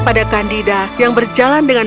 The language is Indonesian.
pada kandida yang berjalan dengan